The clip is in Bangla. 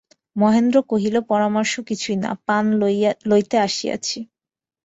মহেন্দ্র কহিল, পরামর্শ কিছুই না, পান লইতে আসিয়াছি।